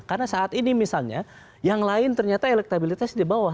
karena saat ini misalnya yang lain ternyata elektabilitas di bawah